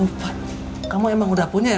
lumpat kamu emang udah punya